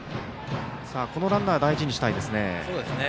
このランナーを大事にしたいですね。